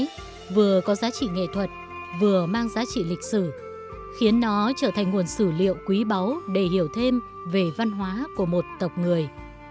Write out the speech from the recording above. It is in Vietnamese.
hoa văn của dân tộc thái vừa có giá trị nghệ thuật vừa mang giá trị lịch sử khiến nó trở thành nguồn sử liệu quý báu để hiểu thêm về văn hóa của một tộc người